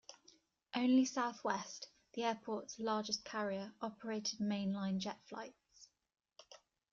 Only Southwest, the airport's largest carrier, operated mainline jet flights.